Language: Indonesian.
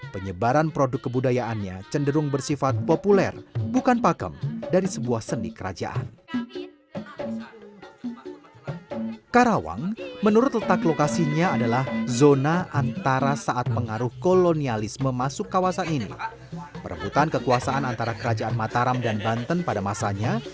perebutan kekuasaan antara kerajaan mataram dan banten pada masanya